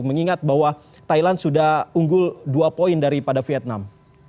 mengingat bahwa thailand sudah unggul dua poin daripada vietnam